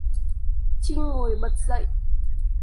Chinh ngồi bật dậy